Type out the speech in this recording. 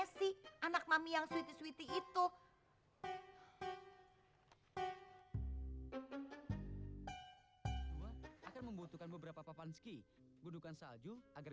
si anak mami yang sweetie sweetie itu akan membutuhkan beberapa papal ski gunungkan salju agar